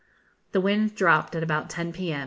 The wind dropped at about 10 p.m.